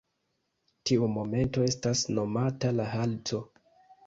Tiu momento estas nomata la halto.